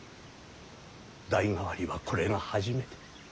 代替わりはこれが初めて。